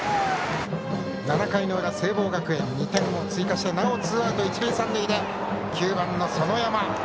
７回の裏、聖望学園２点を追加してなおツーアウト、一塁三塁で９番の園山。